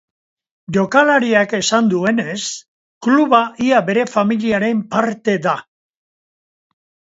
Jokalariak esan duenez, kluba ia bere familiaren parte da.